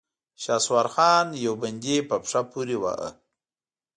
شهسوار خان يو بندي په پښه پورې واهه.